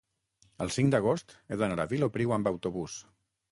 el cinc d'agost he d'anar a Vilopriu amb autobús.